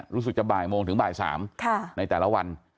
รู้สึกจะบ่ายโมงถึงบ่าย๓ในแต่ละวัน